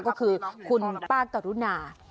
ก็คือคุณป้ากรุณา